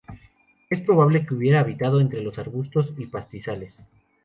Es probable que hubiera habitado entre los arbustos y pastizales.